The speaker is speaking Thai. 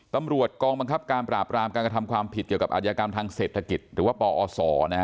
ตำรวจกองบังคับการปราบรามการกระทำความผิดเกี่ยวกับอาชญากรรมทางเศรษฐกิจหรือว่าปอศ